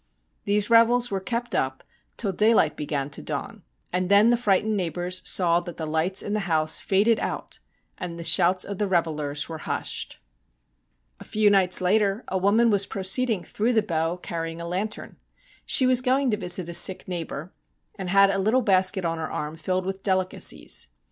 These revels were kept up till daylight began to dawn, and then the frightened neighbours saw that the lights in the house faded out, and the shouts of the revellers were hushed. A few nights later a woman was proceeding through the Bow carrying a lantern. She was going to visit a sick neigh bour, and had a little basket on her arm filled with delicacies.